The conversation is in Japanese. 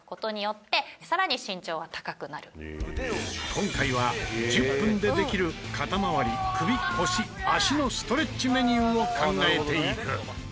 今回は１０分でできる肩回り首腰足のストレッチメニューを考えていく。